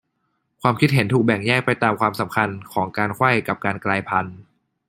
ความคิดเห็นถูกแบ่งแยกไปตามความสำคัญของการไขว้กับการกลายพันธุ์